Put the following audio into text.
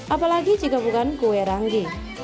apalagi jika bukan kue ranggi